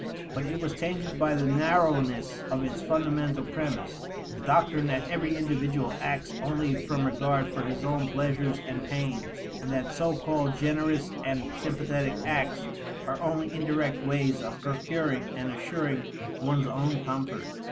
But it was tainted by the narrowness of its fundamental premise: the doctrine that every individual acts only from regard for his own pleasures and pains, and that so called generous and sympathetic acts are only indirect ways of procuring and assuring one's own comfort.